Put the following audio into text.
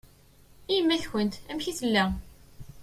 I yemma-tkent amek i tella?